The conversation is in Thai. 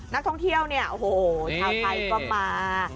นักท่องเที่ยวเนี่ยโอ้โหชาวไทยก็มา